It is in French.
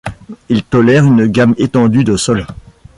Il tolère une gamme étendue de sols.